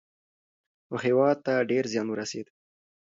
خو هیواد ته ډیر زیان ورسېد.